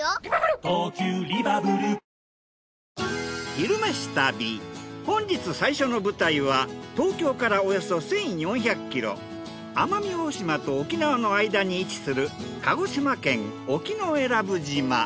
「昼めし旅」本日最初の舞台は東京からおよそ１，４００キロ奄美大島と沖縄の間に位置する鹿児島県沖永良部島。